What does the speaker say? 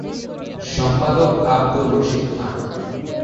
সম্পাদক আবদুর রশীদ খান।